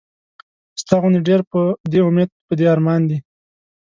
ستا غوندې ډېر پۀ دې اميد پۀ دې ارمان دي